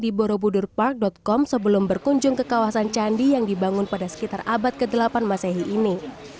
di borobudur park com sebelum berkunjung ke kawasan candi yang dibangun pada sekitar abad ke delapan masehi ini